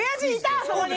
あそこに。